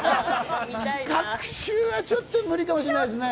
隔週はちょっと無理かもしれないですね。